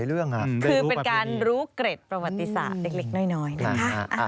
คือเป็นการรู้เกร็ดประวัติศาสตร์เล็กน้อยนะคะ